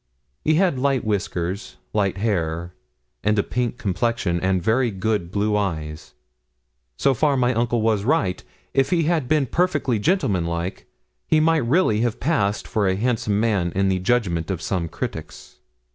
He had light whiskers, light hair, and a pink complexion, and very good blue eyes. So far my uncle was right; and if he had been perfectly gentlemanlike, he really might have passed for a handsome man in the judgment of some critics.